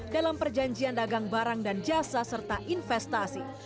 dalam perjanjian dagang barang dan jasa serta investasi